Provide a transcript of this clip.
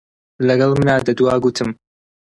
لەگەڵ منا دەدوا، گوتم: